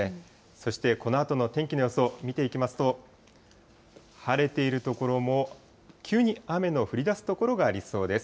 そしてこのあとの天気の予想見ていきますと、晴れている所も急に雨の降りだす所がありそうです。